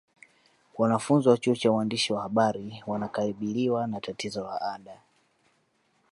Wanafunzi wa chuo cha uandishi wa habari wanakabiliwa na tatizo la ada